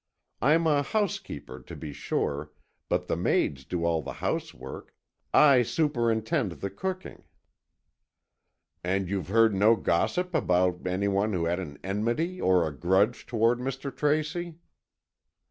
I'm housekeeper, to be sure, but the maids do all the housework. I superintend the cooking." "And you've heard no gossip about any one who had an enmity or a grudge toward Mr. Tracy?"